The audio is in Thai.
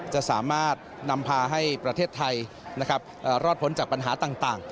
จะสามารถนำพาให้ประเทศไทยรอดพ้นจากปัญหาต่าง